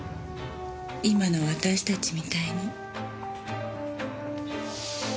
今の私たちみたいに。